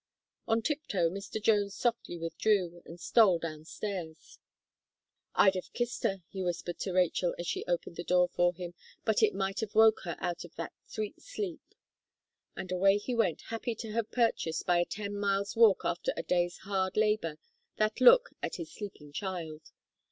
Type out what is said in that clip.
On tip toe, Mr. Jones softly withdrew, and stole downstairs. "I'd have kissed her," he whispered to Rachel, as she opened the door for him, "but it might have woke her out of that sweet sleep." And away he went, happy to have purchased, by a ten miles walk after a day's hard labour, that look at his sleeping child.